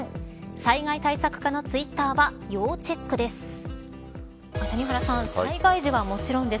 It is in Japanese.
災害対策課のツイッターは要チェックです。